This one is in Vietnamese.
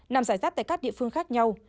nằm giải tác tại các địa phương khác nhau